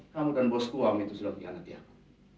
kamu dan bosku amit sudah kianati aku